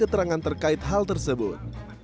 dan keterangan terkait hal tersebut